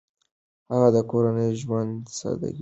هغه د کورني ژوند سادګي خوښوي.